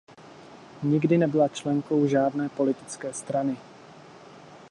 Nikdy nebyla členkou žádné politické strany.